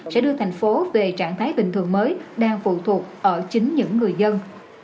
sẽ đưa thành phố về trạng thái bình thường mới đang phụ thuộc ở chính những người dân